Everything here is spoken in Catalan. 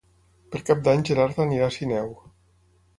Per Cap d'Any en Gerard irà a Sineu.